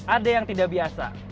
ada yang tidak biasa